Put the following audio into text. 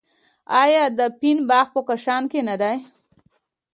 آیا د فین باغ په کاشان کې نه دی؟